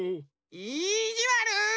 いじわる！